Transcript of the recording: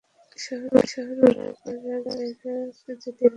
শহর বাজার জায়গা, যদি রাস্তা হারিয়ে ফেলিস?